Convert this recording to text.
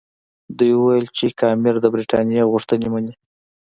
دوی ویل چې که امیر د برټانیې غوښتنې مني.